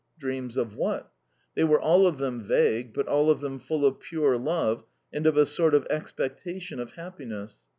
Dreams of what? They were all of them vague, but all of them full of pure love and of a sort of expectation of happiness.